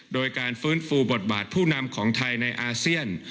โดยการฟื้นฟูบทบาทผู้นำของไทยในอาเซียน